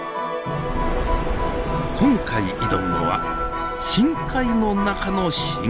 今回挑むのは深海の中の深海。